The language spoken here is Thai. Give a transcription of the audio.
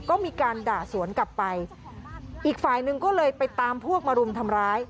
ก็มีการด่าสวนกลับไปอีกฝ่ายหนึ่งก็เลยไปตามพวกมารุมทำร้าย